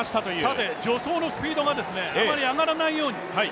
さて助走のスピードがあまり上がらないように。